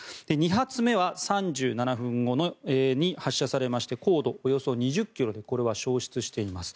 ２発目は３７分後に発射されまして高度およそ２０ｋｍでこれは消失しています。